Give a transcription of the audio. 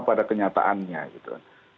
pada kenyataannya gitu